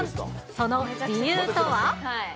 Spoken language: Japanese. その理由とは。